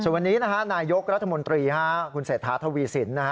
วันนี้นายกรัฐมนตรีคุณเศษฐาทวีสิน